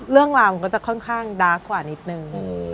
เรื่องราวมันก็จะค่อนข้างดาร์กกว่านิดนึง